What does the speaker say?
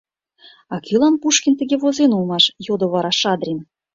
— А кӧлан Пушкин тыге возен улмаш? — йодо вара Шадрин.